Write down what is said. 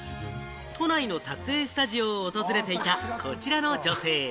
都内の撮影スタジオを訪れていたこちらの女性。